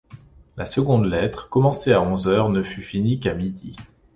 La seconde lettre, commencée à onze heures, ne fut finie qu’à midi.